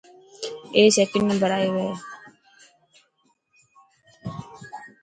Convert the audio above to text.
اي سڪنڊ نمبر آيو هي.